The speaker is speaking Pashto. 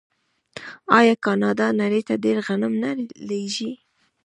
آیا کاناډا نړۍ ته ډیر غنم نه لیږي؟